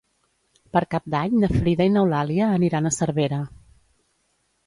Per Cap d'Any na Frida i n'Eulàlia aniran a Cervera.